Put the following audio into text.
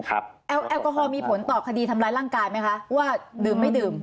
แอลกอฮอลมีผลต่อคดีทำร้ายร่างกายไหมคะว่าดื่มไม่ดื่ม